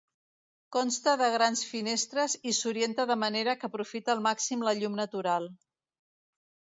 Consta de grans finestres i s'orienta de manera que aprofita al màxim la llum natural.